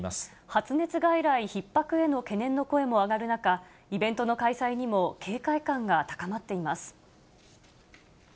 発熱外来ひっ迫への懸念の声も上がる中、イベントの開催にも警戒感が高まっています。